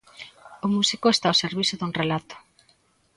O músico está ao servizo dun relato.